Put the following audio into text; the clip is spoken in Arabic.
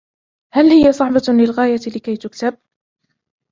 هل هي صعبة للغاية لكي تُكتب ؟